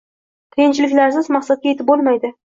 Qiyinchiliklarsiz maqsadga etib bo`lmaydi